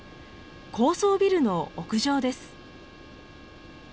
高層ビルの屋上です。